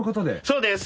そうです！